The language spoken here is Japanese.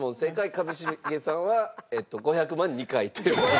一茂さんはえっと５００万２回という事で。